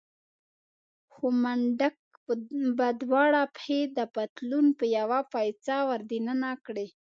خو منډک به دواړه پښې د پتلون په يوه پایڅه ور دننه کړې.